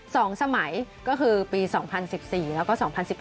สองสมัยก็คือปี๒๐๑๔แล้วก็๒๐๑๘